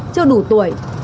chưa đủ tuổi